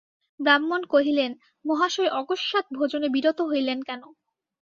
ব্রাহ্মণ কহিলেন, মহাশয় অকস্মাৎ ভোজনে বিরত হইলেন কেন।